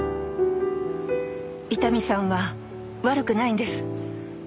伊丹さんは悪くないんです。